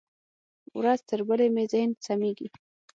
ورځ تر بلې مې ذهن سمېږي.